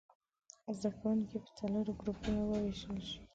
زده کوونکي په څلورو ګروپونو ووېشل شي.